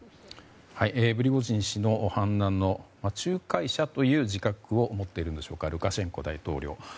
プリゴジン氏の反乱の仲介者という自覚を持っているんでしょうかルカシェンコ大統領。